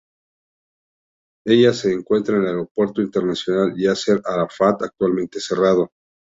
En ella se encuentra el Aeropuerto Internacional Yasser Arafat actualmente cerrado.